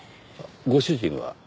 ご主人は？